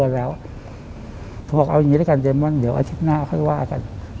เอาอย่างนี้ด้วยกันเจ็มว่าอาทิตย์หน้าค่อยว่ากัน